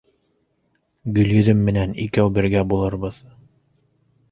Гөлйөҙөм менән икәү бергә булырбыҙ.